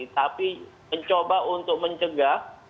tapi mencoba untuk mencegah